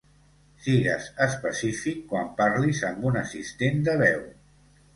Sigues específic quan parlis amb un assistent de veu.